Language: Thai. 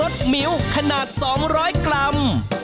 สวัสดีครับ